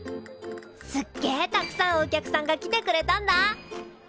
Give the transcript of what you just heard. すっげえたくさんお客さんが来てくれたんだ。